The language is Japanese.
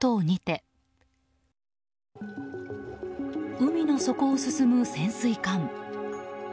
海の底を進む潜水艦。